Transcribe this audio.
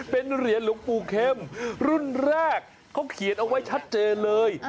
เป็นเหรียญหลวงปู่เข็มรุ่นแรกเขาเขียนเอาไว้ชัดเจนเลย